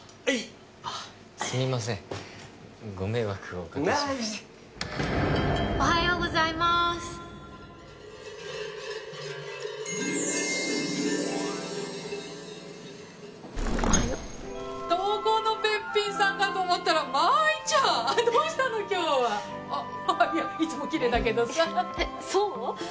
えっそう？